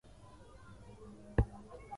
Hususan upande wa kusini mwa mpaka wa Mutukula.